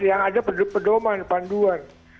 yang ada pedoman panduan